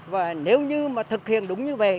và nếu như mà thực hiện đúng như vậy